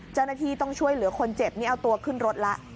เจ้าหน้าที่ต้องช่วยเหลือคนเจ็บนี่เอาตัวขึ้นรถแล้ว